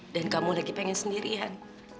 dan kamu lagi pengen sendirian